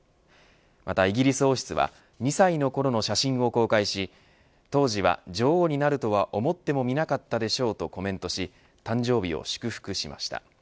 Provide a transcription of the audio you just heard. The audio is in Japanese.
またイギリス王室は２歳のころの写真を公開し当時は女王になるとは思ってもみなかったでしょうとコメントし誕生日を祝福しました。